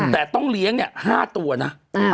แต่ต้องเลี้ยงเนี่ย๕ตัวนะ